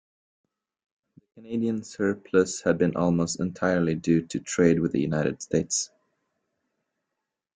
The Canadian surplus had been almost entirely due to trade with the United States.